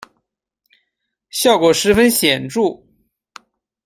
效果十分显著